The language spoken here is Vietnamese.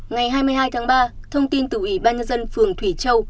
ngày hai mươi hai tháng ba thông tin từ ủy ban nhân dân phường thủy châu